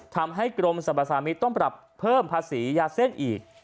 ทำให้กรมสรรพสามิตรต้องปรับเพิ่มภาษียาเส้นอีก